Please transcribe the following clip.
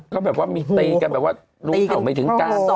ก็แบบว่ามีตีกันแบบว่ารู้ข่าวไม่ถึงการต่อ